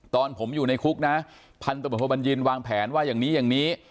ตอนผมอยู่ในคุกนะพันธบทบัญญินวางแผนว่าอย่างนี้อย่างนี้